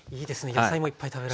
野菜もいっぱい食べられる。